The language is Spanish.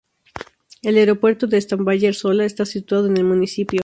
El aeropuerto de Stavanger-Sola está situado en el municipio.